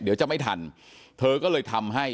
จะไม่ทันเธอก็เลยทำให้